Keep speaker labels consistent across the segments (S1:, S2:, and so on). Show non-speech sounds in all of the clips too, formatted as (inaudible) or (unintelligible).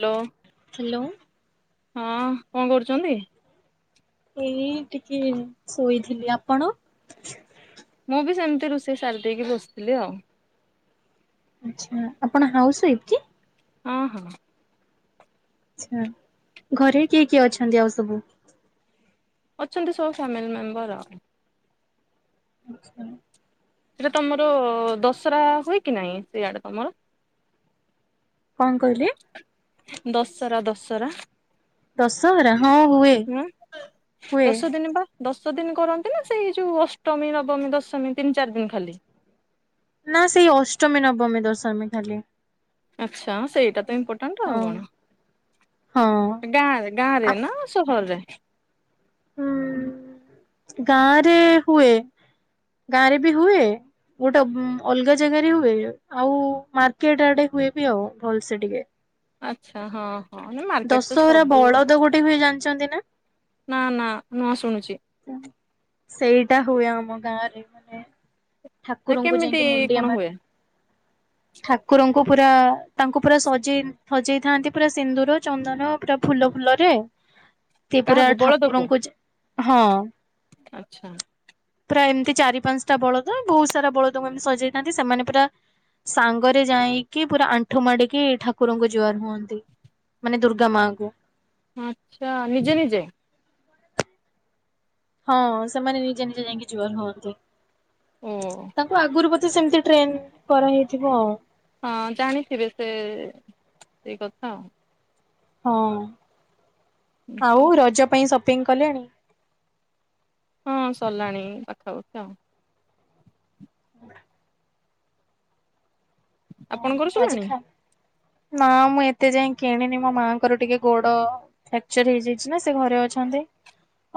S1: Hello.
S2: Hello.
S1: ହଁ କଣ କରୁଛନ୍ତି?
S2: ଏଇ ଟିକେ ଶୋଇଥିଲି। ଆପଣ?
S1: ମୁଁ ବି ସେମିତି ରୋଷେଇ ସାରିଦେଇକି ବସିଥିଲି ଆଉ।
S2: ଆଚ୍ଛା ଆପଣ ହାଉସ୍ ୱାଇଫ୍ କି?
S1: ହଁ ହଁ।
S2: ଆଚ୍ଛା ଘରେ କିଏ କିଏ ଅଛନ୍ତି ଆଉ ସବୁ?
S1: ଅଛନ୍ତି ସବୁ ଫ୍ୟାମିଲି ମେମ୍ବର ଆଉ।
S2: ଆଚ୍ଛା।
S1: ସେଇଟା ତମର ଦଶହରା ହୁଏ କି ନାଇଁ ସେଇଆଡେ ତମର?
S2: କଣ କହିଲେ?
S1: ଦଶହରା ଦଶହରା।
S2: ଦଶହରା ହଁ ହୁଏ
S1: ହୁଁ।
S2: ହୁଏ।
S1: ଦଶ ଦିନ ବା ଦଶ ଦିନ କରନ୍ତି ନା ସେଇ ଯୋଉ ଅଷ୍ଟମୀ ନବମୀ ଦଶମୀ ତିନି ଚାରି ଦିନ ଖାଲି?
S2: ନା ସେଇ ଅଷ୍ଟମୀ ନବମୀ ଦଶମୀ ଖାଲି।
S1: ଆଚ୍ଛା ସେଇଟା ତ ଇମ୍ପୋର୍ଟାଣ୍ଟ
S2: ହଁ।
S1: ଆଉ କଣ।
S2: ହଁ
S1: ଗାଁରେ
S2: ଆ
S1: ଗାଁରେ ନା ସହର ରେ?
S2: ଉଁ ଗାଁ ରେ ହୁଏ ଗାଁ ରେ ବି ହୁଏ। ଗୋଟେ ଅଲଗା ଜାଗାରେ ହୁଏ ଆଉ ମାର୍କେଟ ଆଡେ ହୁଏ ବି ଆଉ ଭଲସେ ଟିକେ।
S1: ଆଚ୍ଛା ହଁ। ହଁ ମାର୍କେଟ ତ
S2: ଦଶହରା
S1: ସବୁ
S2: ବଳଦ ଗୋଟେ ହୁଏ ଜାଣିଛନ୍ତି ନା?
S1: ନା ନା ନୂଆ ଶୁଣୁଛି।
S2: ଆଚ୍ଛା ସେଇଟା ହୁଏ ଆମ ଗାଁରେ ମାନେ ଠାକୁର ଙ୍କୁ
S1: କେମିତି
S2: ଯାଇକି ମୁଣ୍ଡିଆ
S1: କଣ
S2: ମାର
S1: ହୁଏ
S2: ଠାକ୍ ଠାକୁରଙ୍କୁ ପୁରା ତାଙ୍କୁ ପୁରା ସଜେଇ ସଜେଇଥାନ୍ତି ପୁରା ସିନ୍ଦୁର ଚନ୍ଦନ ପୁରା ଫୁଲ ଫୁଲରେ। ସେ ପୁରା
S1: କାହାକୁ ବଳଦକୁ
S2: ଠାକୁରଙ୍କୁ ଚା ହଁ।
S1: ଆଚ୍ଛା।
S2: ପ୍ରାଏ ଏମିତି ଚାରି ପାଞ୍ଚଟା ବଳଦ ବହୁତ ସାରା ବଳଦଙ୍କୁ ଏମତି ସଜେଇଥାନ୍ତି। ସେମାନେ ପୁରା ସାଙ୍ଗରେ ଯାଇଁକି ପୁରା ଆଣ୍ଠୁ ମାଡିକି ଠାକୁରଙ୍କୁ ଜୁଆର ହୁଅନ୍ତି। ମାନେ ଦୁର୍ଗା ମାଙ୍କୁ।
S1: ଆଚ୍ଛା ନିଜେ-ନିଜେ?
S2: ହଁ ସେମାନେ ନିଜେ-ନିଜେ ଯାଇଁକି ଜୁହାର ହୁଅନ୍ତି।
S1: ଓ
S2: ତାଙ୍କୁ ଆଗୁରୁ ବୋଧେ ସେମିତି ଟ୍ରେନ କରା ହେଇଥିବ ଆଉ।
S1: ହଁ ଜାଣିଥିବେ ସେ ସେଇ କଥା ଆଉ।
S2: ହଁ ଆଉ ରଜ ପାଇଁ ସପିଙ୍ଗ କଲେଣି?
S1: ହଁ ସରିଲାଣି ପାଖା ପାଖି ଆଉ।
S2: (unintelligible)
S1: ଆପଣଙ୍କର
S2: ହଁ ଆଜି
S1: ସରିଲାଣି?
S2: ଖା ନା ମୁଁ ଏତେ ଯାଏଁ କିଣିନି। ମୋ ମାଆଙ୍କର ଟିକେ ଗୋଡ ଫ୍ୟାକ୍ଚର୍ ହେଇଯାଇଚି ନା ସେ ଘରେ ଅଛନ୍ତି।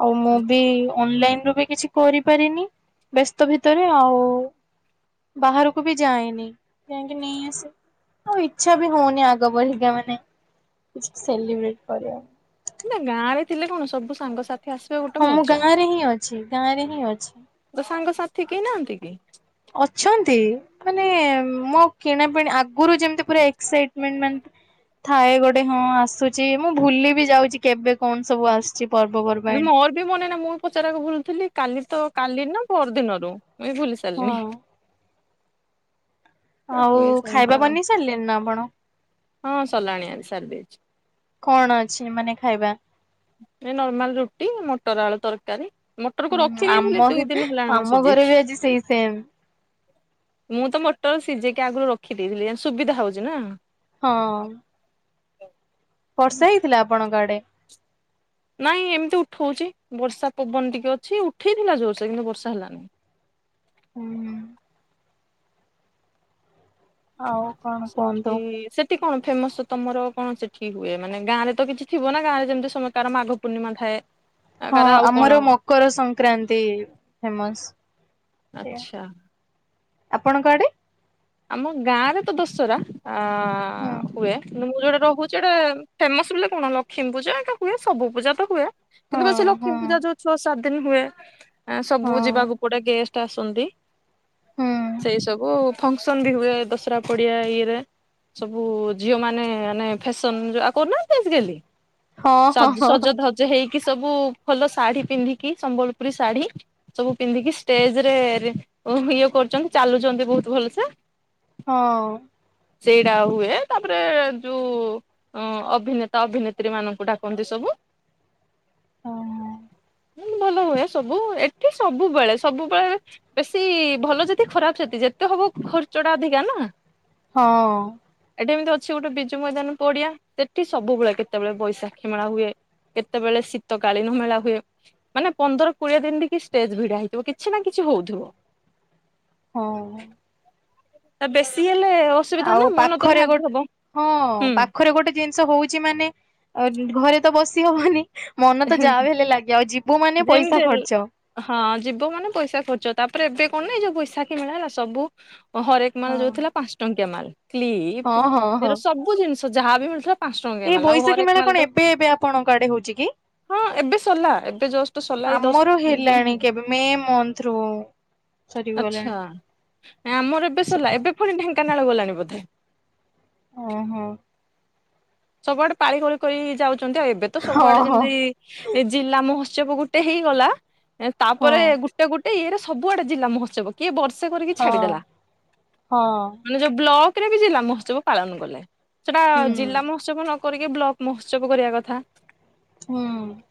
S2: ଆଉ ମୁଁ
S1: ଆଚ୍ଛା,
S2: ବି ଅନଲାଇନ ରୁ ବି କିଛି କରିପାରିନି ବେସ୍ତ ଭିତରେ ଆଉ। ବାହାରକୁ ବି ଯାଏନି। ଯାଇଙ୍କି ନେଇ ଆସେ। ଆଉ ଇଚ୍ଛା ବି ହଉନି ଆଗ ଭଳିକା ମାନେ। କିଛି ସେଲିବ୍ରେଟ କରିବା।
S1: ନା ଗାଁ ରେ ଥିଲେ କଣ ସବୁ ସାଙ୍ଗସାଥି ଆସିବେ ଗୋଟେ
S2: ହଁ ମୁଁ
S1: ମଜା
S2: ଗାଁ ରେ ହିଁ ଅଛି। ଗାଁ ରେ ହିଁ ଅଛି।
S1: ତୋ ସାଙ୍ଗସାଥି କେହି ନାହାନ୍ତି କି?
S2: ଅଛନ୍ତି। ମାନେ ମୋ କିଣାପିଣା ଆଗୁରୁ ଯେମିତି ପୁରା ଏକ୍ସାଇଟମେଣ୍ଟ ମାନେ ଥାଏ ଗୋଟେ ହଁ ଆସୁଚି। ମୁଁ ଭୁଲି ବି ଯାଉଚି କେବେ କଣ ସବୁ ଆସ କିଛି ପର୍ବ ପ
S1: ମୋର ବି ମନେ ନା ମୁଁ ପଚାରିବାକୁ ଭୁଲଥିଲି। କାଲି ତ କାଲି ନା ପର ଦିନରୁ ଏଇ ଭୁଲିିଚି ଚାଲିଣି।
S2: ହଁ ଆଉ
S1: ହୁଏ ସେମିତି
S2: ଖାଇବା
S1: ଆଉ
S2: ବନେଇ ସାରିଲେଣି ନା ଆପଣ?
S1: ହଁ ସରିଲାଣି ଆଜି ସାରି ଦେଇଛି।
S2: କଣ ଅଛି ମାନେ ଖାଇବା?
S1: ଏ ନର୍ମାଲ ରୁଟି ମଟର ଆଳୁ ତରକାରୀ। ମ ମଟରକୁ
S2: ହୁଁ
S1: ରଖିଦେଇଥିଲି
S2: ଆମର
S1: ଦୁଇ ଦିନ ହେଲାଣି ମୁଁ
S2: ଆମ ଘରେ ବି
S1: ସିଜେଇକି।
S2: ଆଜି ସେଇ ସେମ୍
S1: ମୁଁ ତ ମଟର ସିଜେଇକି ଆଗରୁ ରଖିଦେଇଥିଲି। ଏଁ ସୁବିଧା ହଉଚି ନା।
S2: ହଁ। ବର୍ଷା ହେଇଥିଲା ଆପଣଙ୍କ ଆଡେ?
S1: ନାଇଁ ଏମିତି ଉଠୋଉଚି। ବର୍ଷା ପବନ ଟିକେ ଅଛି। ଉଠେଇଥିଲା ଜୋରସେ କିନ୍ତୁ ବର୍ଷା ହେଲାନି।
S2: ହୁଁ-ହୁଁ। ଆଉ କଣ
S1: ସେଠି
S2: କୁହନ୍ତୁ
S1: ସେଟ ସେଟି କଣ ଫେମସ ତମର କଣ ସେଠି ହୁଏ, ମାନେ ଗାଁରେ ତ କିଛି ଥିବ ନା ଗାଁ ରେ ଯେମିତି ସମକାର ମାଘ ପୂର୍ଣ୍ଣିମା ଥାଏ?
S2: ହଁ
S1: କାର ଆଉ କଣ
S2: ଆମର ମକର ସଂକ୍ରାନ୍ତି ଫେମସ। ସେୟା
S1: ଆଚ୍ଛା
S2: ଆପଣଙ୍କ ଆଡେ?
S1: ଆମ ଗାଁ ରେ ତ ଦଶରା ଆଁ
S2: ହୁଁ।
S1: ହୁଏ। କିନ୍ତୁ ମୁଁ ଯୋଉଟି ରହୁଚି ଏଠେ ଫେମସ ବୋଲେ କଣ ଲକ୍ଷ୍ମୀ ପୂଜା ଏକା ହୁଏ। ସବୁ ପୂଜା ତ ହୁଏ। କିନ୍ତୁ ବା ସେ
S2: ହଁ
S1: ଲକ୍ଷ୍ମୀ
S2: ହଁ
S1: ପୂଜା ଯୋଉ ଛଅ ସାତ ଦିନ ହୁଏ ଆଁ ସବୁ
S2: ହଁ
S1: ଯିବାକୁ ପଡେ। ଗେଷ୍ଟ ଟା ଆସନ୍ତି
S2: ହୁଁ
S1: ସେଇ ସବୁ ଫଙ୍କସନ ବି ହୁଏ ଦଶରା ପଡିଆ ଇଏରେ। ସବୁ ଝିଅ ମାନେ-ମାନେ ଫେସନ ଯା କରୁନାହାନ୍ତି ଆଜି କାଲି।
S2: ହଁ ହଁ ହଁ।
S1: ସଜ-ସଜ ଧଜ ହେଇକି ସବୁ ଭଲ ଶାଢୀ ପିନ୍ଧିକି ସମ୍ବଲପୁରୀ ଶାଢୀ ସବୁ ପିନ୍ଧିକି ଷ୍ଟେଜ ରେ-ରେ ଓହୋ ଇଏ କରୁଚନ୍ତି ଚାଲୁଛନ୍ତି ବୋହୁତ ଭଲ ସେ।
S2: ହଁ ଅ।
S1: ସେଇଡା ହୁଏ ତାପରେ ଯୋଉ ଅ ଅଭିନେତା ଅଭିନେତ୍ରୀ ମାନଙ୍କୁ ଡାକନ୍ତି ସବୁ।
S2: ଉଁ ହୁଁ।
S1: ହଁ ଭଲ ହୁଏ ସବୁ ଏଠି ସବୁବେଳେ ସବୁବେଳେ ବେଶୀ ଭଲ ଯେତିକି ଖରାପ ସେତିକି ଯେତେ ହବ ଖର୍ଚ୍ଚ ଟା ଅଧିକା ନା।
S2: ହଁ।
S1: ଏଠି ଏମିତି ଅଛି ଗୋଟେ ବିଜୁ ମଇଦାନ ପଡିଆ ସେଠି ସବୁବେଳେ କେତେବେଳେ ବୈଶାଖୀ ମେଳା ହୁଏ। କେତେବେଳେ ଶୀତକାଳୀନ ମେଳା ହୁଏ। ମାନେ ପନ୍ଦର କୋଡିଏ ଦିନ ଟେ ଷ୍ଟେଜ ଭିଡା ହେଇଥିବ କିଛି ନା କିଛି ହୋଉଥିବ।
S2: ହଁ ହଁ।
S1: ବେଶୀ ହେଲେ ଅସ
S2: ଆଉ ପାଖରେ ଗୋଟେ ହଁ
S1: ହୁଁ
S2: ପାଖରେ ଗୋଟେ ଜିନିଷ ହୋଉଚି ମାନେ ଘରେ ତ ବସି ହବନି। ମନ ତ ଯାହା ବିହେଲେ ଲାଗେ ଆଉ ଯିବୁ ମାନେ
S1: ଯେମିତି
S2: ପଇସା
S1: ହେଲେ
S2: ଖର୍ଚ୍ଚ।
S1: ହଁ ଯିବ ମାନେ ପଇସା ଖର୍ଚ୍ଚ ତାପରେ ଏବେ କଣ ନାାଇଁ ଯୋଉ ଶାଖୀ ମିଳା ହେଲା ସବୁ ହରେ ମାଲ
S2: ହଁ
S1: ଯାଉ ଥିଲା ପାଞ୍ଚ ଟଙ୍କିଆ ମାଲ
S2: ହଁ
S1: କ୍ଲିପ
S2: ହଁ ହଁ।
S1: ଏର ସବୁ ଜିନିଷ ଯାହାବ ମିଳୁଥିଲା ପାଞ୍ଚ ଟଙ୍କିଆ
S2: ଏଇ
S1: ମାଲ ଆଉ
S2: ବୈଶାଖୀ
S1: ହରେକ
S2: ମେଳା
S1: ମାଲ
S2: କଣ
S1: ତ
S2: ଏବେ ଏବେ ଆପଣଙ୍କ ଆଡେ ହୋଉଚି କି।
S1: ହଁ ଏବେ ସରିଲା ଏବେ ଜଷ୍ଟ ସରିଲା ଏଇ ଦଶ
S2: ଆମର
S1: ଦିନ
S2: ହେଲାଣି କେବେ ମେ ମନ୍ଥରୁ।
S1: ଆଛା ନାଇ ଆମର ଏବେ
S2: ସେପ
S1: ସରିଲା ଏବେ ପୁଣି ଢେଙ୍କାନାଳ ଗଲାଣି ବୋଧେ।
S2: ଓହୋ।
S1: ସବୁଆଡେ ପାଳି କରି କରି ଯାଉଚନ୍ତି ଆଉ ଏବେ ତ
S2: ହଁ
S1: ସବୁଆଡେ
S2: ହଁ
S1: ଯେମିତି ଏ ଜିଲ୍ଲାମହୋତ୍ସବ ଗୋଟେ ହେଇଗଲା
S2: ହଁ
S1: ତାପରେ ଗୋ ଗୋଟେ ଇଏରେ ସବୁଆଡେ ଜିଲ୍ଲା ମହୋତ୍ସବ କିଏ ବର୍ଷେ କରିକି
S2: ହଁ।
S1: ଛାଡିଦେଲା।
S2: ହଁ
S1: ଯୋଉ ବ୍ଲକ ରେ ବି ଜିଲ୍ଲା ମହୋସବ ପାଳନ କଲେ ସେଟା
S2: ହୁଁ
S1: ଜିଲ୍ଲା ମହୋ ମହତ୍ସବ ନ କରିକି ବ୍ଲକ ମହୋତ୍ସବ କରିବା କଥା।
S2: ହୁଁ।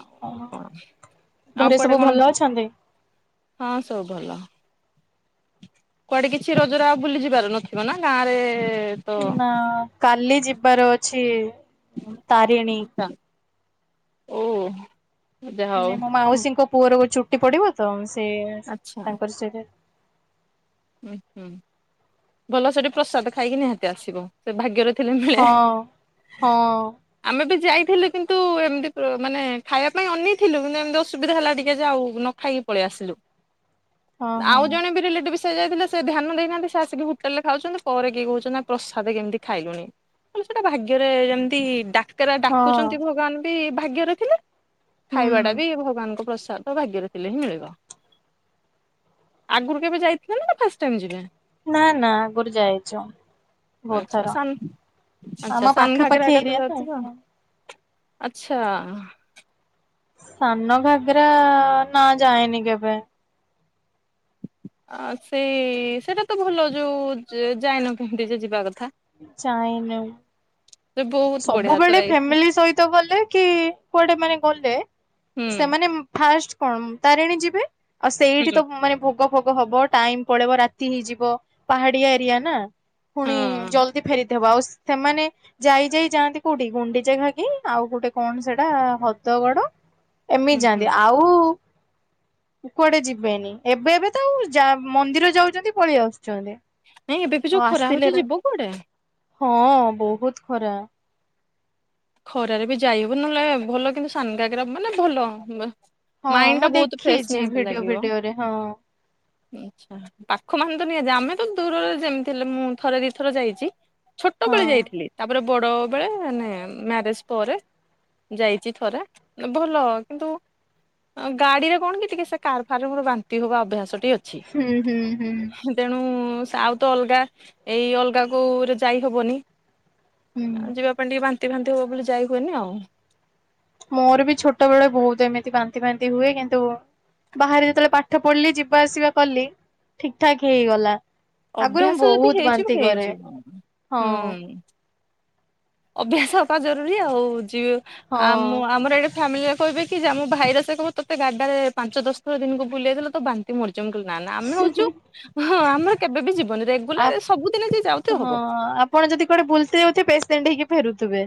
S1: ଆଉ କଣ ଆଉ
S2: ଘରେ ସବୁ
S1: କୁଆଡେ କଣ
S2: ଭଲ ଅଛନ୍ତି?
S1: ହଁ ସବୁ ଭଲ। କୁଆଡେ କିଛି ରଜରେ ଆଉ ବୁଲି ଯିବାର ନଥିବ ନା ଗାଁ ରେ ତ
S2: ନା ଆ କାଲି ଯିବା ରେ ଅଛି। ତାରିଣୀ
S1: ଆଛା ଓ। ଯାହା
S2: ମାନେ
S1: ହଉ
S2: ମୋ ମାଉସୀଙ୍କ ପୁଅର ଚୁଟି ପଡିବ ତ ସେ
S1: ଆଚ୍ଛା
S2: ତାଙ୍କର ସିଆଡେ
S1: ଉୁ ହୁଁ ଭଲ ସେଠି ପ୍ରସାଦ ଖାଇକି ନିହାତି ଆସିବ। ସେ ଭାଗ୍ୟରେ ଥିଲେ ମିଳେ।
S2: ହଁ ହଁ
S1: ଆମେ ବି ଯାଇଥିଲୁ କିନ୍ତୁ ଏମିତି ମାନେ ଖାଇବା ପାଇଁ ଅନେଇଥିଲୁ କିନ୍ତୁ ଏମିତି ଅସୁବିଧା ହେଲା ଯେ ଟିକେ ଆଉ ଖାଇକି ପଳେଇ ଆସିଲୁ
S2: ହଁ ହଁ
S1: ଆଉ ଜଣେ ବି ରିଲେଟିଭ ସେ ସେ ଯାଇଥିଲେ ସେ ଧ୍ୟାନ ଦେଇନାହାନ୍ତି ସେ ଆସିକି ହୋଟେଲ ରେ ଖାଉଚନ୍ତି ପରେ କିଏ କୋହୁଚନ୍ତି ପ୍ରସାଦ କେମିତି ଖାଇଲୁନି। କଣ ସେଟା ଭାଗ୍ୟରେ ଯେମିତି ଡା ରା
S2: ହଁ
S1: ଡାକୁଚନ୍ତି ଭଗବାନ ବି ଭାଗ୍ୟରେ ଥିଲେ
S2: ହୁଁ।
S1: ଖାଇବାଟା ବି ଭଗବାନଙ୍କର ପ୍ରସାଦ। ଭାଗ୍ୟରେ ଥିଲେ ହିଁ ମିଳିବ ଆଗୁରୁ କେବେ ଯାଇଥିଲେ ନା ଏଟା ଫାଷ୍ଟ ଟାଇମ ଯିବେ।
S2: ନା ନା ଆଗୁରୁ ଯାଇଚୁ।
S1: ଆଚ୍ଛା ସାନ
S2: ଆମ
S1: ଆଚ୍ଛା
S2: ପାଖାପାଖି
S1: ସନ୍ଘାଗରେ ଆଗ ତ
S2: ଏରିଆ
S1: ଯାଉଥିବ (unintelligible) ଆଚ୍ଛା।
S2: ସାନ ଘାଗରା ନାଁ ଯାଏନି କେବେ।
S1: ଆ ସେଇ ସେଇଟା ତ ଭଲ ଯୋଉ ଯାଇନ କେମତି ଯେ ଯିବା କଥା।
S2: ଚାଇନମ
S1: ସେ ବହୁତ ବଢିଆ ତ
S2: ସବୁବେଳେ
S1: ଏଇ
S2: ଫ୍ୟାମିଲି ସହିତ ଗଲେ କି କୁଆଡେ ମାନେ ଗଲେ
S1: ହୁଁ
S2: ସେମାନେ ଫାଷ୍ଟ କଣ ତାରିଣୀ ଯିବେ ଆଉ ସେଇଠି ତ
S1: ହୁଁ
S2: ମାନେ ଭୋଗ ଫୋଗ ଫୋଗ ହବ ଟାଇମ ପଳେଇବ ରାତି ହେଇଯିବ ପାହାଡିଆ ଏରିଆ ନା (unintelligible) ପୁଣି
S1: ହଁ
S2: ଜଲଦି ଫେରିଦବ ଆଉ ସେମାନେ ଯାଇ ଯାଇ ଯାଆନ୍ତି କୋଉଠି ଗୁଣ୍ଡିଚ ଘା କି ଆଉ ଗୋଟେ କଣ ସେଇଟା ହଦଗଡ ଏମିତି
S1: ହୁଁ
S2: ଯାଆନ୍ତି ଆଉ
S1: (inaudible)
S2: କୁଆଡେ ଯିବେନି ଏବେ ଏବେ ତ ମନ୍ଦିର ଯାଉଛନ୍ତି ପଳେଇ ଆସୁଛନ୍ତି।
S1: ନାଇଁ ଏବେ ବି
S2: ଆଉ
S1: ଯୋଉ ଖରା
S2: ଆସିଲେ
S1: ହଉଛି
S2: ନା
S1: ଯିବ କୁଆଡେ?
S2: ହଁ ବହୁତ ଖରା।
S1: ଖରାରେ ବି ଯାଇ ହବ ନହେଲେ ଭଲ କିନ୍ତୁ ସାନ ଗାଗରା ମାନେ ଭଲ
S2: ହଁ
S1: ମାଇଣ୍ଡ ଟା
S2: ମୁଁ
S1: ବହୁତ ଫ୍ରେଶ
S2: ଦେଖେଇଛି ଭିଡିଓ ଭିଡିଓ ରେ ହଁ।
S1: ଆଛା ପାଖ ମାନ ତ ନିହା ଆମେ ତ ଦୂରରେ ଯେମିତିଲେ ମୁଁ ଥରେ ଦିଥର ଯାଇଛି।
S2: ହଁ
S1: ଛୋଟବେେଳେ ଯାଇଥିଲି ତାପରେ ବଡ ବେଳେ ମାନେ ମ୍ୟାରେଜ ପରେ ଯାଇଛି ଥରେ ଭଲ କିନ୍ତୁ ଗାଡିରେ କଣ କି ଟିକେ ସେ କାର ଫାରମୁ ବାନ୍ତି ହବା ଅଭ୍ୟାସ ଟିେ ଅଛି।
S2: ହୁଁ ହୁଁ ହୁଁ ହୁଁ।
S1: ତେଣୁ ସାଉଥ ଅଲଗା ଏଇ ଅଲଗା କୋରେ ଯାଇ ହବନି।
S2: ହୁଁ
S1: ଆ ଯିବା ପାଇଁ ଟିକେ ବାନ୍ତି ଫାନ୍ତି ହବ ବୋଲି ଯାଇ ହୁଏନି ଆଉ।
S2: ମୋର ବି ଛୋଟବେେଳେ ବହୁତ ଏମିତି ବାନ୍ତି ବାନ୍ତି ହୁଏ କିନ୍ତୁ ବାହାରେ ଯେତେବେଳେ ପାଠ ପଢିଲି ଯିବା ଆସିବା କଲି ଠିକ ଠାକ ହେଇଗଲା। ଆଗରୁ
S1: ଅଭ୍ୟାସ
S2: ମୁଁ
S1: ଯଦି
S2: ବହୁତ
S1: ହେଇଯିବ
S2: ବାନ୍ତି କରେ
S1: ହେଇଯିବ।
S2: ହଁ।
S1: ହୁଁ ଅଭ୍ୟାସ ହେବା ଜରୁରୀ ଆଉ ଯ ଆମ
S2: ହଁ
S1: ଆମର ଏଟି ଫାମିଲି କହିବେ କି ଯେ ଆମ ଭାଇର ସେ କବ ତତ ଗାଡ ାରେ ପାଞ୍ଚ ଦଶଥ ଦିନକୁ ବୁଲେଇଥିଲା ତ ବା ମରିଜୁ କ ନା ନା ଆମେ ହଉଛୁ ହଁ ଆମର କେବେ ବି ଯିବନି ରେଗୁଲାର ସବୁଦିନ ଯଏ ଯାଉଥ ହବ।
S2: ଆପଣଦ କୁଆେୁଲଲି ଯଉଥେଣ୍ଟ ହେକି ଫେରୁଥିବେ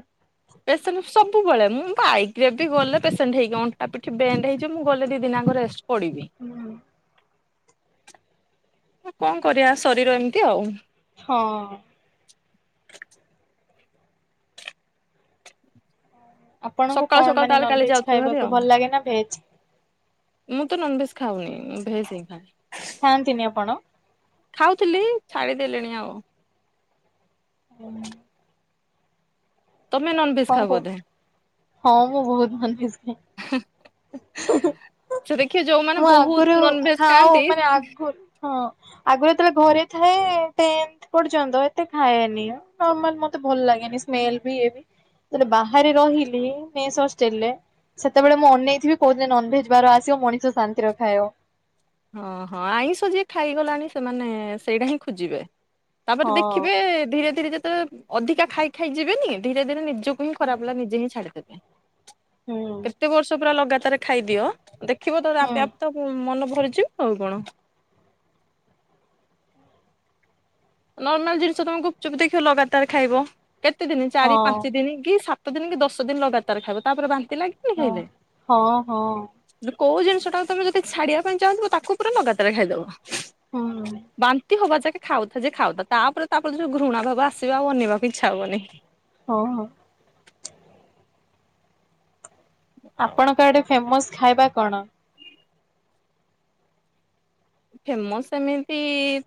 S1: ପେସେଣ୍ଟ ସବୁବେଳେ ମୁଁ ବାଇକରେ ବି ଗଲେ ପେସେଣ୍ଟ ହେଇଗି ଅଣ୍ଟା ପିଠି ବେଣ୍ଡ ହେଇଯିବ ମୁଁ ଗଲେ ଦି ଦିନ ରେ। ପଡ଼ିବି।
S2: ହୁଁ।
S1: କଣ କରିବା ଶରୀର ଏମିତି ଆଉ।
S2: ହଁ। ଆପଣଙ୍କୁ
S1: ସକାଳୁ
S2: କଣ
S1: ସକାଳୁ
S2: ମାନେ
S1: ତାହେଲେ କାଲି
S2: ନନଭେଜ୍
S1: ଯାଉଥିବ ଭାରି
S2: ଖାଇବାକୁ
S1: ଆଉ।
S2: ଭଲ ଲାଗେ ନା ଭେଜ୍?
S1: ମୁଁ ତ ନନ ଭେଜ ଖାଉନି ଭେଜ ହିଁ ଖା।
S2: ଥାଆନ୍ତିନି ଆପଣ।
S1: ଖାଉଥିଲି ଛାଡିଦେଲିଣି ଆଉ।
S2: ହୁଁ।
S1: ତମେ ନନେଜ
S2: କଣ
S1: ଖାଇ
S2: କହୁ
S1: ବୋଧେ।
S2: ହଁ ମୁଁ ବହୁତ ମନଇଛି।
S1: ସେ ଦେଖିବ ଯୋଉମାନେ
S2: ମୁଁ
S1: ବହୁତ
S2: ଆଗରୁ
S1: ନନଭେଜ
S2: ଖାଉ
S1: ଖାଆନ୍ତି
S2: ମାନେ ଆଗରୁ। ହଁ ଆଗ ଯେତେବେଳେ ଘରେ ଥାଏ। ଟେ ଏ ପର୍ଯ୍ୟନ୍ତ ଏତେ ଖାଏନି ନର୍ମାଲ ମତେ ଭଲ ଲାଗେନି। ସ୍ମେଲ ବି ଏବି। ତାରେ ବାହାରେ ରହିଲେ ମେସ୍ ହଷ୍ଟେଲ୍ ରେ ସେତେବେଳେ ମୁଁ ଅନେଇଥିବି କୋଉଦିନ ନନଭେଜ୍ ବାର ଆସିବ ମଣିଷ ଶାନ୍ତିରେ ଖାଇବ।
S1: ହଁ ହଁ ଆଇଁଷ ଯିଏ ଖାଇଗଲାଣି ସେମାନେ ସେଇଟା ହିଁ ଖୋଜିବେ।
S2: ହଁ
S1: ତାପରେ ଦେଖିବେ ଧୀରେ ଧୀରେ ଯେତେବେଳେ ଅଧିକା ଖାଇ ଖାଇ ଯିବେନି ଧୀରେ ଧୀରେ ନିଦ୍ ଚୁପ୍ ହିଁ ଖରାପ୍ ଲାଗେ ନିଜେହିଁ ଛାଡ଼ିଦେବେ।
S2: ହୁଁ
S1: କେତେ ବର୍ଷ ପୁରା ଲଗାତାର ଖାଇଦିଅ। ଦେଖିବ ତ
S2: ହୁଁ
S1: ଆପେ ଆପେ ତ ମନ ଭରି ଛିପ୍ ଆଉ କଣ। ନର୍ମାଲ ଜିନିଷ ତମେ ଗୁପ୍ ଚୁପ୍ ଦେଖିବ ଲଗାତାର ଖାଇବ। କେତେ ଦିନି
S2: ହଁ
S1: ଚାରି ପାଞ୍ଚ ଦିନି କି ସାତ ସାତ ଦିନି କି ଦଶ ଦିନି ଲଗାତାର ଖାଇବ ତାପରେ ବାନ୍ତି ଲାଗ୍
S2: ହ ହଁ ହଁ।
S1: କୋଉ ଜିନିଷ ଟାକୁ ତମେ ଯଦି ଛାଡିବା ପାଇଁ ଚାହୁଁଥିବ ତାକୁ ପୁରା ଲଗାତାର ଖାଇଦବ।
S2: ହଁ
S1: ବାନ୍ତି ହବା ଯାକେ ଖାଉଥା ଯେ ଖାଉଥା। ତାପରେ ତାପରେ ଯୋଉ ଘୃଣା ଭାବ ଆସିବ। ଆଉ ଅନେଇବାକୁ ଇଚ୍ଛା ହବନି।
S2: ହଁ ହଁ ଆପଣଙ୍କ ଆଡେ ଫେମସ୍ ଖାଇବା କଣ?
S1: ଫେମସ ସେମିତି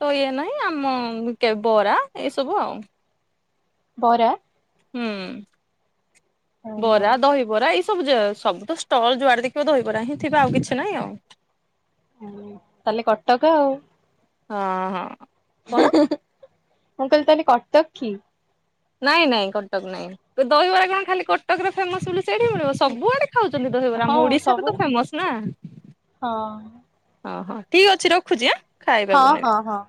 S1: ତ ଇଏ ନାହିଁ ଆମ କେ ବରା ଏସବୁ ଆଉ।
S2: ହରା
S1: ହୁଁ
S2: ଓହୋ
S1: ବରା ଦହିବରା ଇ ସବୁଯ ସବୁ ତ ଷ୍ଟଲ ଯୁଆଡେ ଦେଖିବ ଦହିବରା ହିଁ ଥିବେ ଆଉ କିଛି ନାଇଁ ଆଉ
S2: ହୁଁ ତାହେଲେ କଟକ ଆଉ
S1: ହଁ ହଁ କଣ?
S2: ଉହୁଁ ମୁଁ କହିଲି ତାହେଲେ କଟକ କି?
S1: ନାଇଁ ନାଇଁ କଟକ ନାଇଁ। ତ ଦହିବରା କଣ ଖାଲି କଟକରେ ଫେମସ ବୋଲି ସେଇଠି ମିଳିବ? ସବୁଆଡେ ଖାଉଛନ୍ତି ଦହିବରା।
S2: ହଁ
S1: ମୁଢ଼ି ସାଙ୍ଗକୁ
S2: ସବୁ
S1: ତ ଫେମସ ନା
S2: ହଁ
S1: ଅ ହ ଠିକ୍ ଅଛି ରଖୁଛି ଆଁ? ଖାଇବା
S2: ହଁ
S1: ବନେଇବି।
S2: ହଁ ହଁ